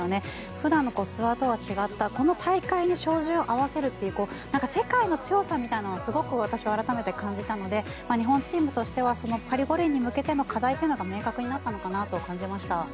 普段のツアーとは違ったこの大会に照準を合わせるという世界の強さみたいなものをすごく私は改めて感じたので日本チームとしてはパリ五輪に向けての課題というのが明確になったのかなと感じました。